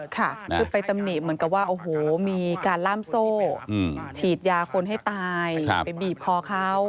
ค่ะคือไปตำหนิเหมือนกับว่าโอ้โหมีการล่ามโซ่ฉีดยาคนให้ตายไปบีบคอเขา